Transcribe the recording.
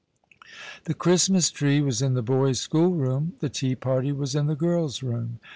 The Christmas tree was in the boys' schoolroom, the tea party was in the girls' room.